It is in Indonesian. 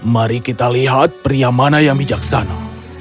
mari kita lihat pria mana yang bijaksana